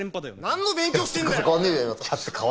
何の勉強してんだよ！